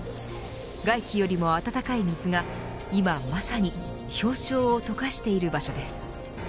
外気よりも温かい水が今まさに氷床を溶かしている場所です。